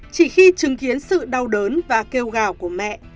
chỉ khi chứng kiến sự đau đớn và kêu gào của mẹ